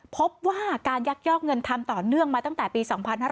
พบว่าการยักยอกเงินทำต่อเนื่องมาตั้งแต่ปี๒๕๕๙